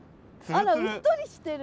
あらうっとりしてる。